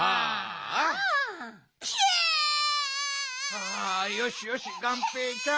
あよしよしがんぺーちゃん。